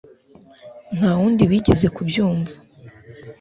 Nta wundi wigeze kubyumva